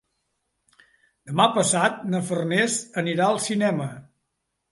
Demà passat na Farners anirà al cinema.